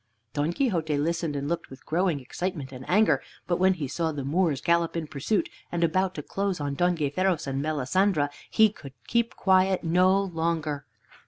Don Quixote listened and looked with growing excitement and anger, but when he saw the Moors gallop in pursuit and about to close on Don Gayferos and Melisendra, he could keep quiet no longer.